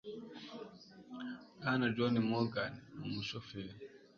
Bwana John Morgan, ni umushoferi,